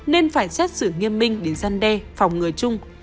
nên phải xét xử nghiêm minh đến gian đe phòng người chung